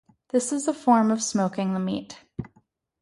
This is a form of smoking the meat.